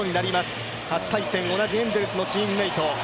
初対戦、同じエンゼルスのチームメイト。